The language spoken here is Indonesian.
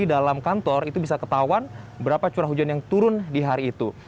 di dalam kantor itu bisa ketahuan berapa curah hujan yang turun di hari itu